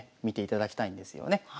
見ていただきたいんですよね。